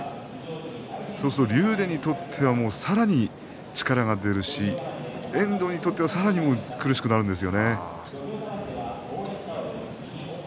そうすると竜電にとってはさらに力が出るし遠藤にとってはさらに苦しくなるんですよね。